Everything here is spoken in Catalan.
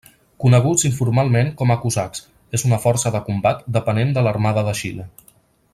Coneguts informalment com a cosacs, és una força de combat depenent de l'Armada de Xile.